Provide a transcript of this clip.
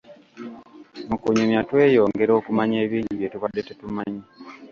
Mukunyumya, tweyongera okumanya ebingi bye tubadde tetumanyi.